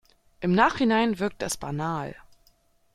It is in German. Im Nachhinein wirkt es banal.